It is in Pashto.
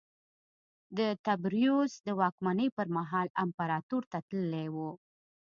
د تبریوس د واکمنۍ پرمهال امپراتور ته تللی و